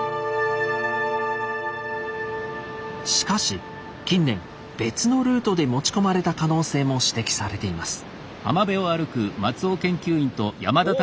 しかし近年別のルートで持ち込まれた可能性も指摘されています。